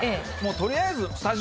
取りあえず。